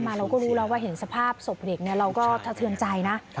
มาเราก็รู้แล้วว่าเห็นสภาพสมเหล็กเนี่ยเราก็เถิดเธนใจนะ